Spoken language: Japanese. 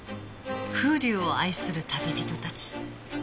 風流を愛する旅人たち